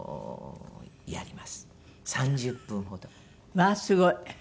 まあすごい！